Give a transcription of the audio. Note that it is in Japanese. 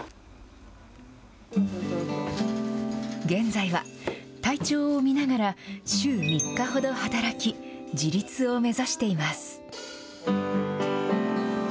現在は、体調を見ながら週３日ほど働き、自立を目指しています。